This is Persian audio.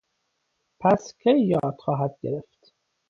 پس کی یاد خواهد گرفت؟